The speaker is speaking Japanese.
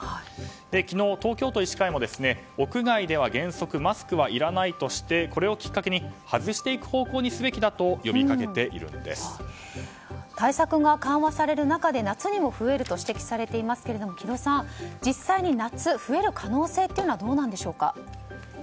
昨日、東京都医師会も屋外では原則マスクはいらないとしてこれをきっかけに外していく方向にすべきだと対策が緩和される中で夏に増えると指摘されていますが城戸さん、実際に夏増える可能性はどうなんでしょうか？